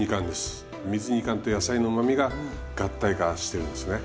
水煮缶と野菜のうまみが合体化してるんですね。